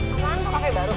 apaan tuh kafe baru